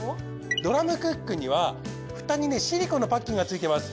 ドラムクックには蓋にねシリコンのパッキンがついてます。